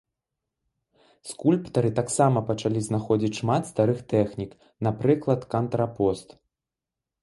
Скульптары таксама пачалі знаходзіць шмат старых тэхнік, напрыклад кантрапост.